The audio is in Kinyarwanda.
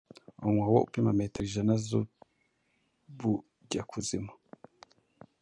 umwobo upima metero ijana z’ubujyakuzimu,